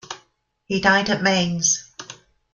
He died at Mainz.